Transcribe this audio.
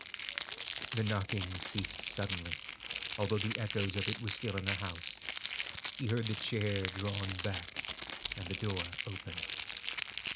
The knocking ceased suddenly, although the echoes of it were still in the house. He heard the chair drawn back, and the door opened.